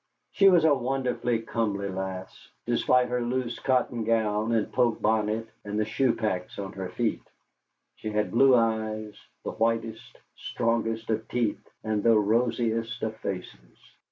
She was a wonderfully comely lass, despite her loose cotton gown and poke bonnet and the shoepacks on her feet. She had blue eyes, the whitest, strongest of teeth, and the rosiest of faces.